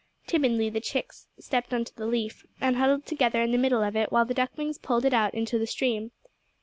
Timidly the chicks stepped onto the leaf, and huddled together in the middle of it while the ducklings pulled it out into the stream.